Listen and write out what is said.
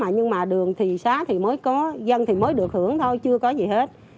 nhưng mà đường thì xá thì mới có dân thì mới được hưởng thôi chưa có gì hết